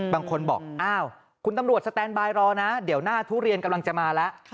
บางคนบอกอ้าวคุณตำรวจสแตนบายรอนะเดี๋ยวหน้าทุเรียนกำลังจะมาแล้ว